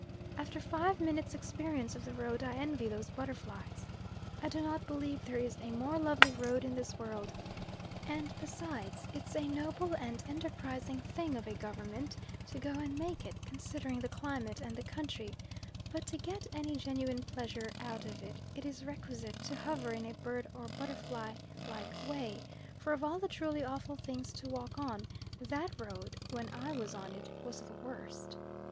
After five minutes' experience of the road I envy those butterflies. I do not believe there is a more lovely road in this world, and besides, it's a noble and enterprising thing of a Government to go and make it, considering the climate and the country; but to get any genuine pleasure out of it, it is requisite to hover in a bird or butterfly like way, for of all the truly awful things to walk on, that road, when I was on it, was the worst.